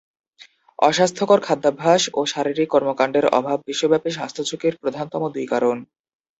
অস্বাস্থ্যকর খাদ্যাভ্যাস ও শারীরিক কর্মকাণ্ডের অভাব বিশ্বব্যাপী স্বাস্থ্য ঝুঁকির প্রধানতম দুই কারণ।